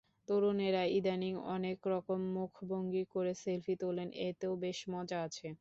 তরুণেরা ইদানীং অনেক রকম মুখভঙ্গি করে সেলফি তোলেন, এতেও বেশ মজা আছে।